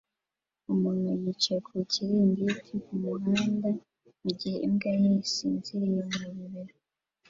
Umuntu yicaye ku kiringiti kumuhanda mugihe imbwa ye isinziriye mu bibero